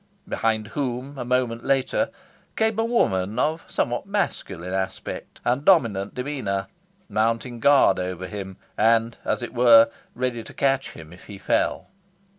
Behind whom, a moment later, came a woman of somewhat masculine aspect and dominant demeanour, mounting guard over him, and, as it were, ready to catch him if he fell.